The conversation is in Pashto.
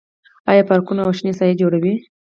آیا پارکونه او شنه ساحې جوړوي؟